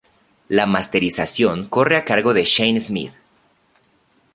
La masterización corre a cargo de Shane Smith.